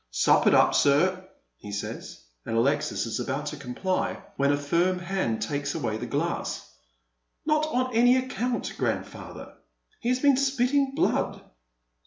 •' Sup it up, sir," he says ; and Alexis is about to comply, when ft finn hand takes away the glass. "Not on any account, grandfather. He baa been spitting blood."